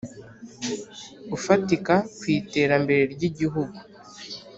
Ufatika ku iterambere ry igihugu